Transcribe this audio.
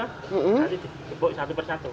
nanti dikepuk satu persatu